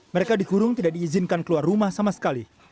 mereka dikurung tidak diizinkan keluar rumah sama sekali